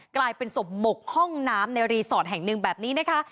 กลายเป็นศพหมกห้องน้ำในรีสอร์ทแห่งหนึ่งแบบนี้นะคะ